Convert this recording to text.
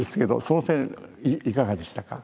その点いかがでしたか？